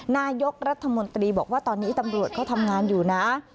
นายกรัฐมนตรีบอกว่าตอนนี้ตำรวจเขาทำงานอยู่นะ